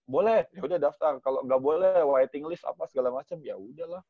boleh yaudah daftar kalo nggak boleh waiting list apa segala macem yaudah lah